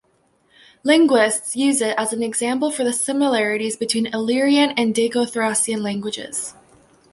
Linguists use it as an example for the similarities between Illyrian and Daco-Thracian languages.